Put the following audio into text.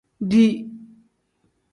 Dii.